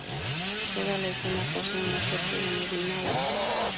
Toda la escena posee una suerte de neblina o vapor.